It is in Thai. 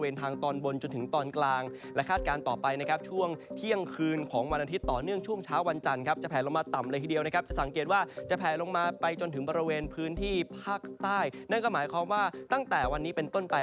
ในบริเวณพื้นที่ภาคใต้นั่นก็หมายความว่าตั้งแต่วันนี้เป็นต้นไป